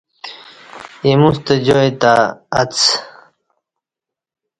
ایموستہ جای تہ اڅ۔